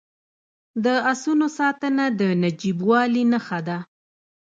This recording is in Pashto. د اسونو ساتنه د نجیبوالي نښه ده.